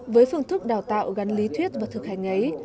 với phương thức đào tạo gắn lý thuyết và thực hành ấy